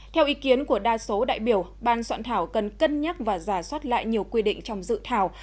theo ý kiến của đa số đại biểu ban soạn thảo cần cân nhắc và giả soát lại nhiều quy định trong dự thảo